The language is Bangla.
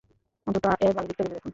অন্তত এর ভালো দিকটা ভেবে দেখুন।